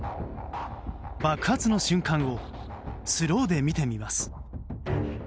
爆発の瞬間をスローで見てみます。